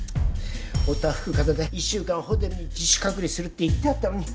おたふくかぜで１週間ホテルに自主隔離するって言ってあったのに。